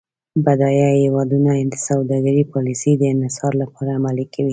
بډایه هیوادونه د سوداګرۍ پالیسي د انحصار لپاره عملي کوي.